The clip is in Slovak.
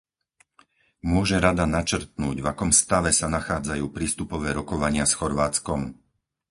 Môže Rada načrtnúť v akom stave sa nachádzajú prístupové rokovania s Chorvátskom?